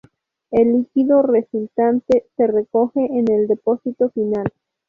El líquido resultante se recoge en el depósito final.